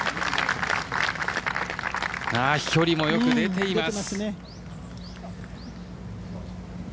飛距離もよく出ています。